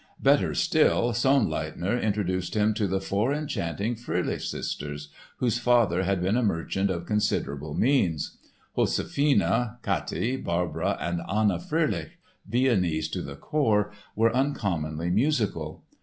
Better still, Sonnleithner introduced him to the four enchanting Fröhlich sisters, whose father had been a merchant of considerable means. Josefine, Käthi, Barbara and Anna Fröhlich, Viennese to the core, were uncommonly musical.